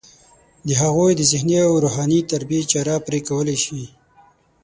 د هغوی د ذهني او روحاني تربیې چاره پرې کولی شي.